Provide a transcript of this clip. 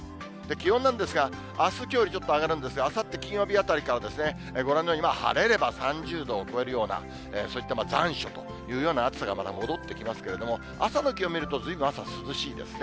気温なんですが、あす、きょうよりちょっと上がるんですが、あさって金曜日あたりから、ご覧のように晴れれば３０度を超えるような、そういった残暑というような暑さがまた戻ってきますけれども、朝の気温見ると、ずいぶん朝、涼しいですね。